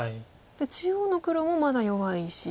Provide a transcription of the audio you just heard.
中央の黒もまだ弱い石。